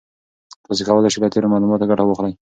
تاسي کولای شئ له تېرو معلوماتو ګټه واخلئ.